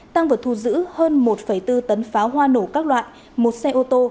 tăng vật thu giữ hơn một bốn tấn pháo hoa nổ các loại một xe ô tô